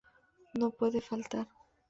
No puede faltar.